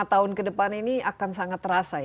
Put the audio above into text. lima tahun ke depan ini akan sangat terasa ya